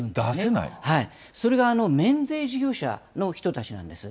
それが、免税事業者の人たちなんです。